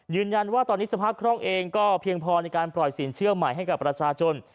ยืนยันว่าตอนนี้สภาพคล่องเองก็เพียงพอในการปล่อยสินเชื่อใหม่ให้กับประชาชน